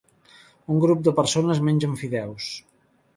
Un grup de persones mengen fideus.